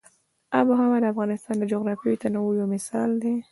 آب وهوا د افغانستان د جغرافیوي تنوع یو مثال دی.